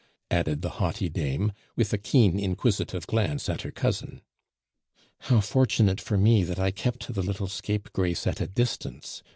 added the haughty dame, with a keen, inquisitive glance at her cousin. "How fortunate for me that I kept the little scapegrace at a distance!"